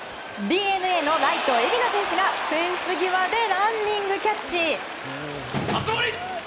ＤｅＮＡのライト、蝦名選手がフェンス際でランニングキャッチ！